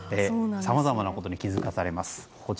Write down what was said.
さまざまなことに気づかされます。